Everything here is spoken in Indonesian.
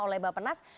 oleh mbak penas